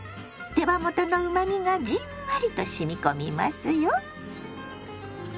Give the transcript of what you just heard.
手羽元のうまみがじんわりとしみ込みますよ。